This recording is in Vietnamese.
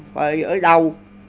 coi ở đâu